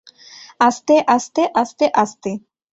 আস্তে, আস্তে, আস্তে, আস্তে।